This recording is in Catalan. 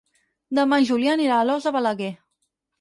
Demà en Julià anirà a Alòs de Balaguer.